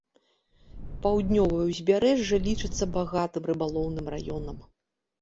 Паўднёвае ўзбярэжжа лічыцца багатым рыбалоўным раёнам.